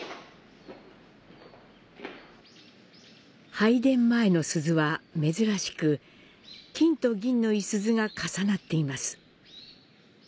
拝殿前の鈴は珍しく、金と銀の五十鈴が重なっています。